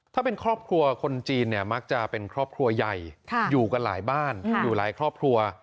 ถ้าเป็นครอบครัวคนจีนเนี่ยมักจะเป็นครอบครัวใหญ่อยู่กันหลายบ้านอยู่หลายครอบครัว